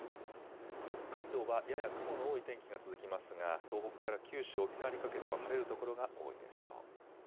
北海道はやや雲の多い天気が続きますが東北から九州、沖縄にかけては晴れる所が多いでしょう。